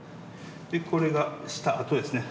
これがしたあとですね。